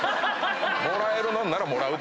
「もらえるもんならもらうぞ」